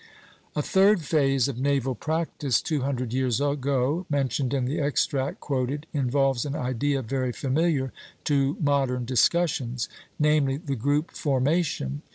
A third phase of naval practice two hundred years ago, mentioned in the extract quoted, involves an idea very familiar to modern discussions; namely, the group formation.